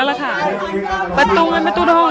แบบตรงไหนแบบประตูทัวรุง